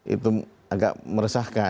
itu agak meresahkan